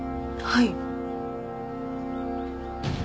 はい。